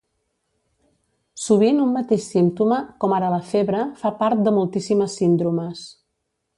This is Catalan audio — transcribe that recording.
Sovint un mateix símptoma, com ara la febre fa part de moltíssimes síndromes.